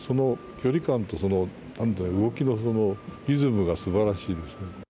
距離感と動きのリズムが素晴らしいです。